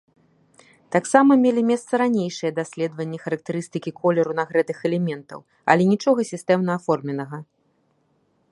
Таксама мелі месца ранейшыя даследванні характарыстыкі колеру нагрэтых элементаў, але нічога сістэмна аформленага.